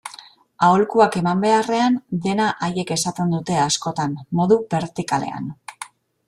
Aholkuak eman beharrean, dena haiek esaten dute askotan, modu bertikalean.